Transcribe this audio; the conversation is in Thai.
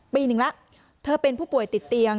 ปีหนึ่งแล้วเธอเป็นผู้ป่วยติดเตียง